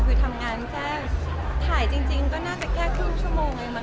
คือทำงานแจ้งถ่ายจริงก็น่าจะแค่ครึ่งชั่วโมงเองมั